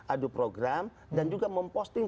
adu program dan juga memposting